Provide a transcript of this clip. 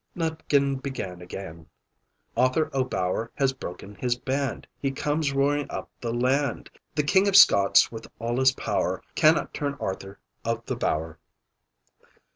Nutkin began again "Authur O'Bower has broken his band, He comes roaring up the land! The King of Scots with all his power, Cannot turn Arthur of the Bower!"